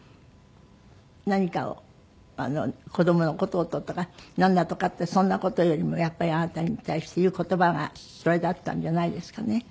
何かを子どもの事とかなんだとかってそんな事よりもやっぱりあなたに対して言う言葉がそれだったんじゃないですかね。